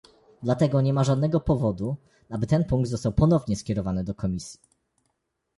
Dlatego nie ma żadnego powodu, aby ten punkt został ponownie skierowany do komisji